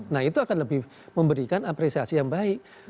nah itu akan lebih memberikan apresiasi yang baik